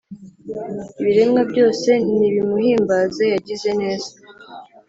Ibiremwa byose nibimuhimbaze yagize neza